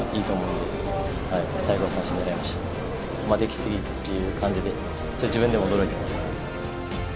でき過ぎっていう感じで自分でも驚いてます。